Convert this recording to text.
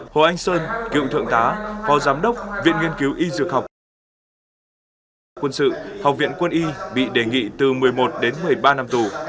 hồ anh sơn cựu thượng tá phó giám đốc viện nghiên cứu y dược học quân sự học viện quân y bị đề nghị từ một mươi một đến một mươi ba năm tù